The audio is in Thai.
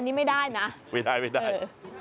อันนี้ไม่ได้นะไม่ได้